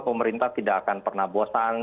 pemerintah tidak akan pernah bosan